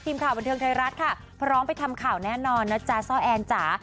ทีมข่าวบันเทิงไทยรัฐค่ะพร้อมไปทำข่าวแน่นอนนะจ๊ะซ่อแอนจ๋า